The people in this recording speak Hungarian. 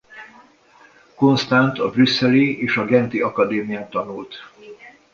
Constant a brüsszeli és a genti akadémián tanult.